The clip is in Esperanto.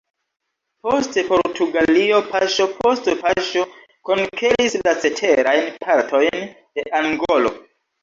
Poste Portugalio paŝo post paŝo konkeris la ceterajn partojn de Angolo.